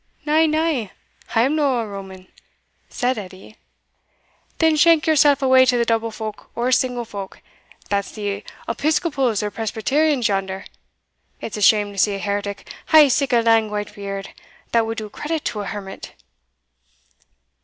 "Na, na, I am no a Roman," said Edie. "Then shank yoursell awa to the double folk, or single folk, that's the Episcopals or Presbyterians yonder: it's a shame to see a heretic hae sic a lang white beard, that would do credit to a hermit."